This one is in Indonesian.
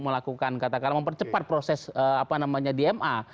bukan katakanlah mempercepat proses dma